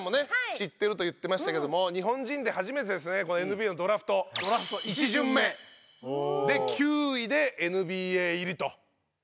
知ってると言ってましたけども日本人で初めてですねＮＢＡのドラフト１巡目で９位でＮＢＡ入りという事で。